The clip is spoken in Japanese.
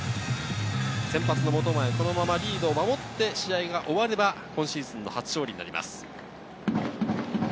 先発・本前、このままリードを守って試合が終われば、今シーズン初勝利になります。